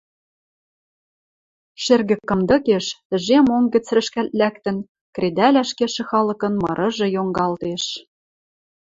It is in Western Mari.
Шӹргӹ кымдыкеш, тӹжем онг гӹц рӹшкӓлт лӓктӹн, кредӓлӓш кешӹ халыкын мырыжы йонгалтеш: